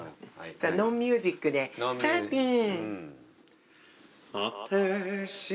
じゃあノンミュージックでスターティン。